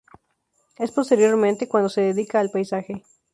Es posteriormente cuando se dedica al paisaje.